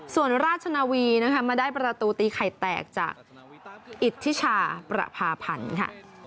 ส่วนราชนาวีนะคะมาได้ประตูตีไข่แตกจากอิทธิชาประพาพันธ์ค่ะ